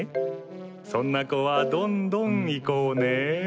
そんな子はどんどん行こうね